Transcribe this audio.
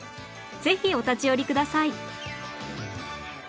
ぜひお立ち寄りください